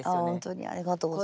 ありがとうございます。